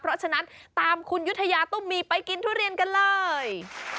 เพราะฉะนั้นตามคุณยุธยาตุ้มมีไปกินทุเรียนกันเลย